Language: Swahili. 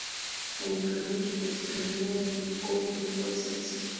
alikamatwa katika wilaya ya mkono na kwa sasa